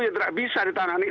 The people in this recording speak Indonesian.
yang tidak bisa ditangani